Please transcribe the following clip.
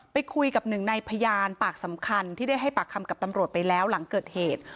ไปคุยกับหนึ่งในพยานปากสำคัญที่ได้ให้ปากคำกับตำรวจไปแล้วหลังเกิดเหตุ